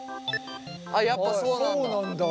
やっぱそうなんだ。